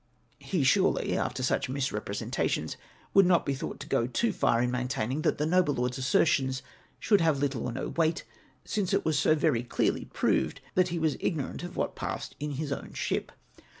He surely, after such misrepre sentations, would not be thought to go too far in maintaining that the noble lord's assertions should have little or no weight, since it was so very clearly proved that he was ignorant of what passed in his own ship.